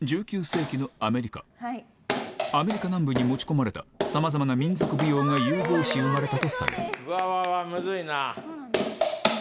アメリカ南部に持ち込まれたさまざまな民族舞踊が融合し生まれたとされるうわうわうわむずいな。